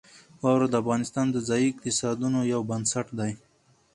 واوره د افغانستان د ځایي اقتصادونو یو بنسټ دی.